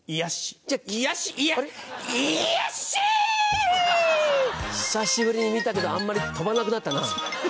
癒やっし‼久しぶりに見たけどあんまり飛ばなくなったな。